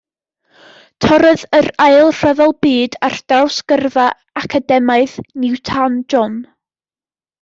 Torrodd yr Ail Ryfel Byd ar draws gyrfa academaidd Newton-John.